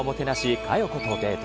佳代子とデート。